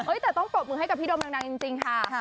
แต่ต้องปรบมือให้กับพี่โดมดังจริงค่ะ